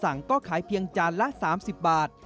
ตามสั่งก็ขายเพียงจานละ๓๐บาท